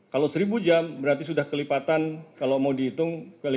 kalau seribu jam berarti sudah kelipatan kalau mau dihitung kelipatan dua puluh kali lima puluh